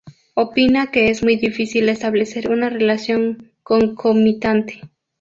Opina que es muy difícil establecer una relación concomitante